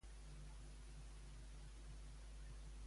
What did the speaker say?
Què conta una altra versió de Polixen?